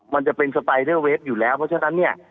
มันจะเป็นสไตเดอร์เวฟอยู่แล้วเพราะฉะนั้นเนี่ย